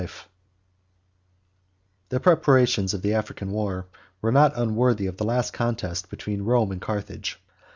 3.] The preparations for the African war were not unworthy of the last contest between Rome and Carthage.